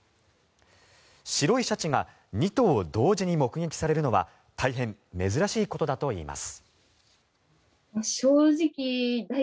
白いシャチが２頭同時に目撃されるのは大変珍しいことだといいます。